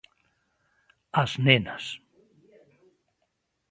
As nenas.